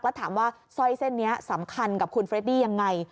แล้วถามว่าสร้อยเส้นนี้สำคัญกับคุณเรดดี้ยังไง